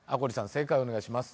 正解をお願いします